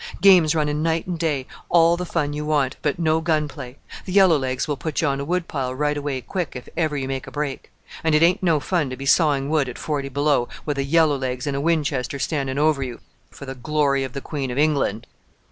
"Games running night and day; all the fun you want, but no gun play; the yellow legs will put you on the wood pile right away quick, if ever you make a break; and it ain't no fun to be sawing wood at forty below, with a yellow legs and a Winchester standing over you for the glory of the Queen of England!"